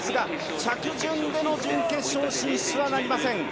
着順での準決勝進出はなりません。